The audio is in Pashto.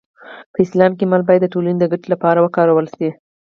په اسلام کې مال باید د ټولنې د ګټې لپاره وکارول شي.